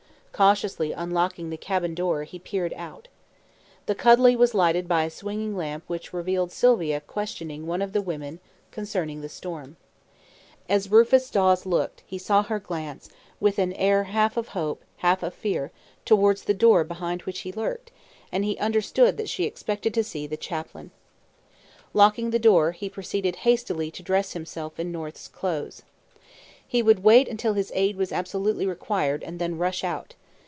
Cautiously unlocking the cabin door, he peered out. The cuddy was lighted by a swinging lamp which revealed Sylvia questioning one of the women concerning the storm. As Rufus Dawes looked, he saw her glance, with an air half of hope, half of fear, towards the door behind which he lurked, and he understood that she expected to see the chaplain. Locking the door, he proceeded hastily to dress himself in North's clothes. He would wait until his aid was absolutely required, and then rush out.